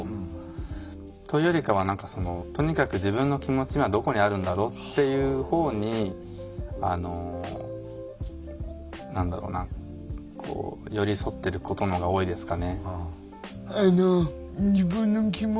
というよりかはとにかく自分の気持ち今どこにあるんだろうっていうほうにあの何だろうな寄り添ってることのほうが多いですかね。